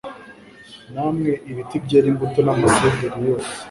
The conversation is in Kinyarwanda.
namwe biti byera imbuto n’amasederi yose